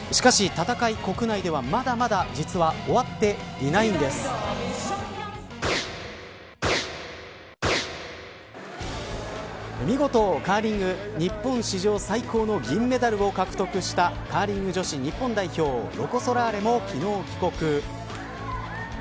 しかし戦い、国内ではまだまだ実は見事、カーリング日本史上最高の銀メダルを獲得したカーリング女子日本代表ロコ・ソラーレも昨日帰国。